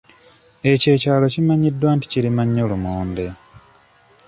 Ekyo ekyalo kimanyiddwa nti kirima nnyo lumonde.